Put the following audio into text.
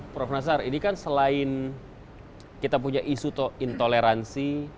prof nazar ini kan selain kita punya isu intoleransi